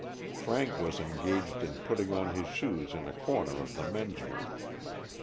Frank was engaged in putting on his shoes in a corner of the ''men's room."